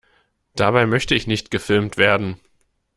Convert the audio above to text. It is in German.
Dabei möchte ich nicht gefilmt werden!